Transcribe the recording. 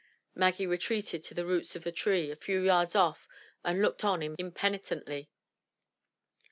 Maggie retreated to the roots of a tree a few yards off and looked on impenitently.